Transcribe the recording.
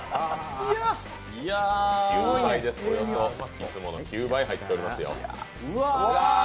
いつもの９倍入っておりますよ。